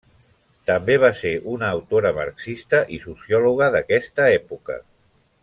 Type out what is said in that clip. També va ser una autora marxista i sociòloga d'aquesta època.